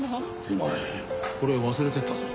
お前これを忘れてったぞ。